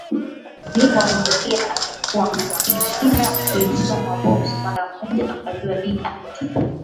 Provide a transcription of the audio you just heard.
Alivoangalia aliyekuwa anapiga jina lilisoma Boss mara moja akajua Bi Anita